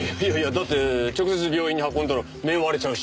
だって直接病院に運んだら面割れちゃうし。